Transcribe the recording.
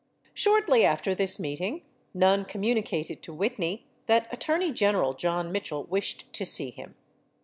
Shortly after this meeting, Nunn communicated to Whitney that Attorney General John Mitchell wished to see him.